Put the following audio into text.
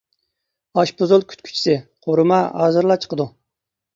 ئاشپۇزۇل كۈتكۈچىسى : قورۇما ھازىرلا چىقىدۇ.